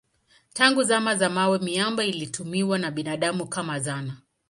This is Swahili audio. Tangu zama za mawe miamba ilitumiwa na binadamu kama zana.